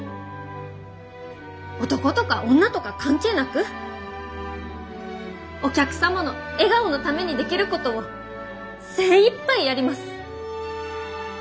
男とか女とか関係なくお客様の笑顔のためにできることを精いっぱいやります！